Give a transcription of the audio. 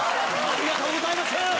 ありがとうございます！